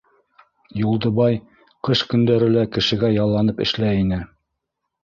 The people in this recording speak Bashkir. Юлдыбай ҡыш көндәре лә кешегә ялланып эшләй ине.